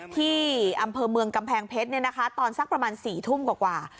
ที่อำเภอเมืองกำแพงเพชรตอนสักประมาณ๔ทุ่มกว่า